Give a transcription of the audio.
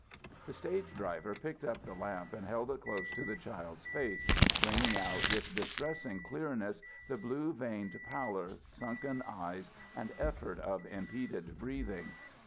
The stage driver picked up the lamp and held it close to the child's face, bringing out with distressing clearness the blue veined pallour, sunken eyes, and effort of impeded breathing.